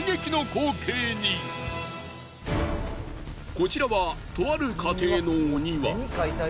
こちらはとある家庭のお庭。